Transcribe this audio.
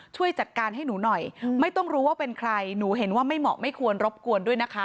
ช่วยจัดการให้หนูหน่อยไม่ต้องรู้ว่าเป็นใครหนูเห็นว่าไม่เหมาะไม่ควรรบกวนด้วยนะคะ